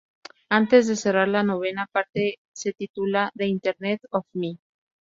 Antes de cerrar, la novena parte se titula "The Internet of Me".